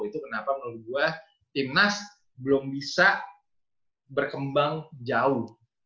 itu kenapa menurut gue timnas belum bisa berkembang jauh